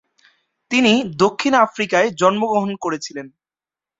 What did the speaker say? তিনি দক্ষিণ আফ্রিকায় জন্মগ্রহণ করেছিলেন।